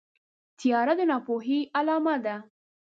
تیاره د ناپوهۍ علامه ده.